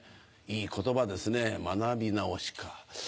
いい言葉ですね学び直しか。